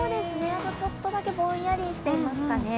ちょっとだけぼんやりしていますかね。